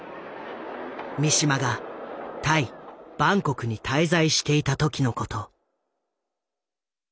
三島がタイバンコクに滞在していた時のこと。